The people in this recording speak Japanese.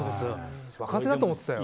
若手だと思ってたよ。